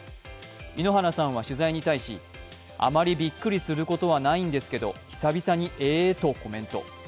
井ノ原さんは取材に対し、あまりびっくりすることはないんですけど久々に「ええ」とコメント。